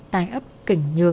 tài ấp kỉnh nhược